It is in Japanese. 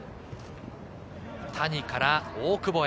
谷から大久保へ。